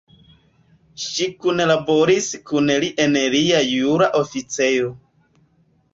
Ŝi kunlaboris kun li en lia jura oficejo.